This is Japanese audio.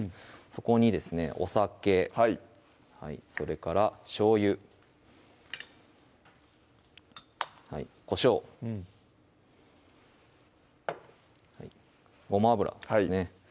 そこにですねお酒それからしょうゆこしょうごま油ですね